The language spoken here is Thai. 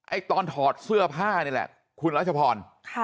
ตอนถอดเสื้อผ้านี่แหละคุณรัชพร